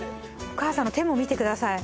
お母さんの手も見てください